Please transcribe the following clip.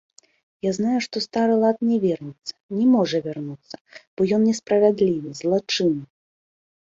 Я знаю, што стары лад не вернецца, не можа вярнуцца, бо ён несправядлівы, злачынны.